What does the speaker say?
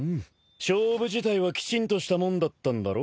勝負自体はきちんとしたもんだったんだろ？